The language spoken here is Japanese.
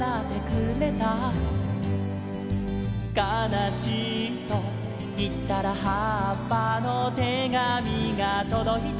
「かなしいといったらはっぱの手紙がとどいたよ」